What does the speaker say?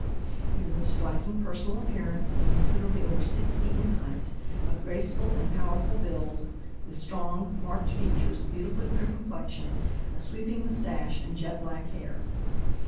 He was of striking personal appearance, being considerably over six feet in height, of graceful and powerful build, with strongly marked features, beautifully clear complexion, a sweeping mustache, and jet black hair.